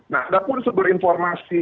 nah ada pun sumber informasi